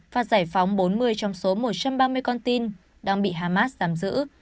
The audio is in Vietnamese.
phát giải phóng bốn mươi trong số một trăm ba mươi con tin đang bị hamas giám giữ